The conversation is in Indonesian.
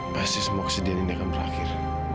pasti semua oksiden ini akan berakhir